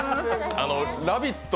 「ラヴィット！」